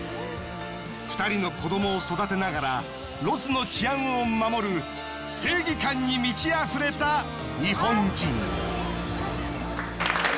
２人の子どもを育てながらロスの治安を守る正義感に満ち溢れた日本人。